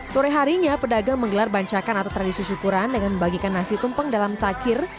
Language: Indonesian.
sore harinya pedagang menggelar bancakan atau tradisi syukuran dengan membagikan nasi tumpeng dalam takir